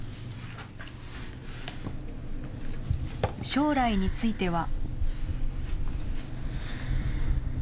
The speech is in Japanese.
将来については。